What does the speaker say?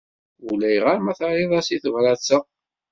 Ulayɣer ma terriḍ-as i tebṛat-a.